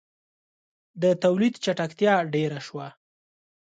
• د تولید چټکتیا ډېره شوه.